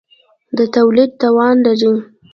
د تولید توان لري.